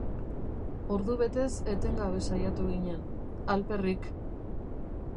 Ordu betez etengabe saiatu ginen, alperrik.